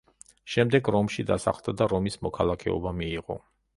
შემდეგ რომში დასახლდა და რომის მოქალაქეობა მიიღო.